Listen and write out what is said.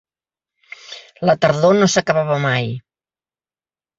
La tardor no s"acabava mai.